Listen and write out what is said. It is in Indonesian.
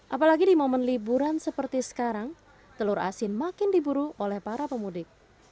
apalagi di momen liburan seperti sekarang telur asin makin diburu oleh para pemudik